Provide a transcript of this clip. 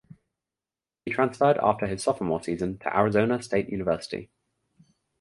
He transferred after his sophomore season to Arizona State University.